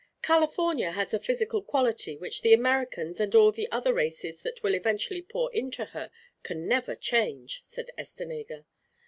"California has a physical quality which the Americans and all the other races that will eventually pour into her can never change," said Estenega.